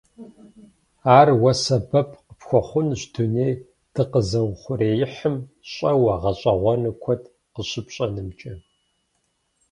Ар уэ сэбэп къыпхуэхъунщ дуней дыкъэзыухъуреихьым щӀэуэ, гъэщӀэгъуэну куэд къыщыпщӀэнымкӀэ.